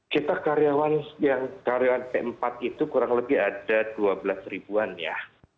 kita karyawan p empat itu kurang lebih ada dua belas ribuan ya